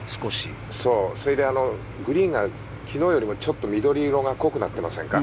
それで、グリーンが少しより昨日よりもちょっと緑色が濃くなってませんか。